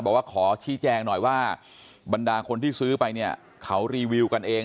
บอกว่าขอชี้แจงหน่อยว่าบรรดาคนที่ซื้อไปเนี่ยเขารีวิวกันเอง